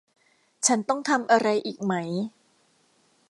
ฉันต้องทำอะไรอีกไหม